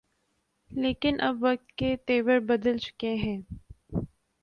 لیکن اب وقت کے تیور بدل چکے ہیں۔